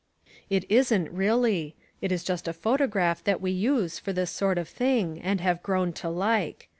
It isn't really. It is just a photograph that we use for this sort of thing and have grown to like.